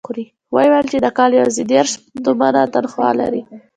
ويې ويل چې د کال يواځې دېرش تومنه تنخوا لري.